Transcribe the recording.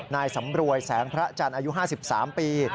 นายสำรวยแสงพระจันทร์อายุ๕๓ปี